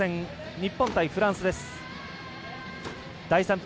日本対フランスです。